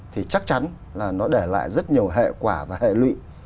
thì chắc chắn là nó để lại rất nhiều hệ quả và hệ lụy